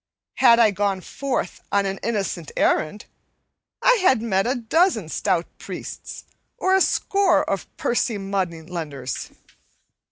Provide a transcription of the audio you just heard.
Had I gone forth on an innocent errand, I had met a dozen stout priests or a score of pursy money lenders.